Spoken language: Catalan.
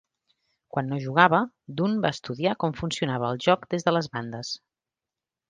Quan no jugava, Dunn va estudiar com funcionava el joc des de les bandes.